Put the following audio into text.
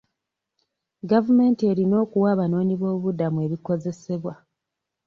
Gavumenti erina okuwa abanoonyiboobubudamu ebikozesebwa.